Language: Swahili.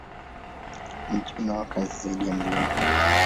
Mji una wakazi zaidi ya milioni moja.